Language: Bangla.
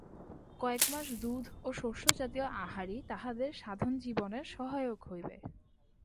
কয়েক মাস দুধ ও শস্যজাতীয় আহারই তাঁহাদের সাধন-জীবনের সহায়ক হইবে।